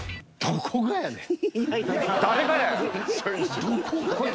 どこがやねん。